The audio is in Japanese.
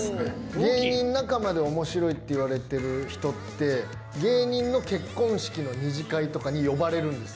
芸人仲間でおもしろいって言われてる人って、芸人の結婚式の二次会とかに呼ばれるんです。